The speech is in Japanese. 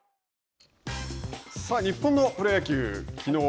さあ、日本のプロ野球きのう